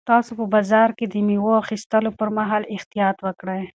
تاسو په بازار کې د مېوو د اخیستلو پر مهال احتیاط وکړئ.